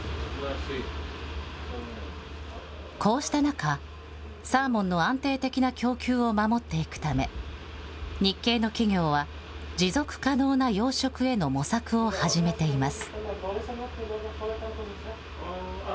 こうした中、サーモンの安定的な供給を守っていくため、日系の企業は、持続可能な養殖への模索を始めています。